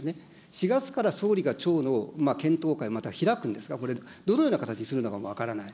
４月から総理がちょうの検討会、また開くんですか、これ、どのような形にするのかも分からない。